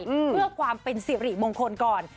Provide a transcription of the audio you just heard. เพื่อความเป็นสิริมงคลก่อน